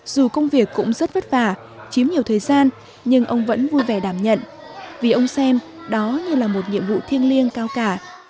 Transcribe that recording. dù công việc cũng rất vất vả chiếm nhiều thời gian nhưng ông vẫn vui vẻ đảm nhận vì ông xem đó như là một nhiệm vụ thiêng liêng cao cả